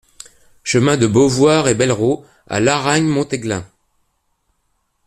Chemin de Beauvoir et Bellerots à Laragne-Montéglin